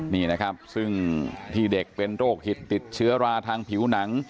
นี่นะครับซึ่งที่เด็กเป็นโรคหิตติดเชื้อราทางผิวหนัง